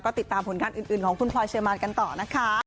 ติดตามผลงานอื่นของคุณพลอยเชอร์มานกันต่อนะคะ